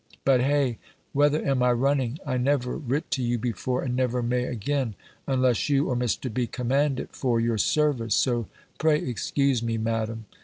"But, hey, whether am I running! I never writt to you before, and never may again, unless you, or Mr. B. command it, for your service. So pray excuse me, Madam.